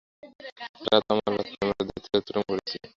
রাতে আমরা রাম পেপার দ্বীপ অতিক্রম করেছি।